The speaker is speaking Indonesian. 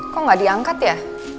kok gak diangkat ya